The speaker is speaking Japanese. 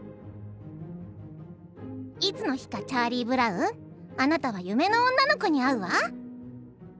「いつの日かチャーリー・ブラウンあなたは夢の女の子に会うわ」。